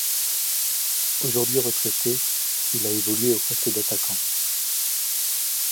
Aujourd'hui retraité, il a évolué au poste d'attaquant.